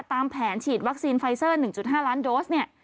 ตามแผนฉีดวัคซีนไฟเซอร์๑๕ล้านโดสเนี่ย